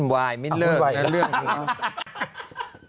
มันไม่เลิกเรื่องนี้